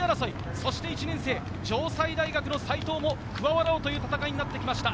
そして１年生、城西大学の斎藤も加わろうという戦いになってきました。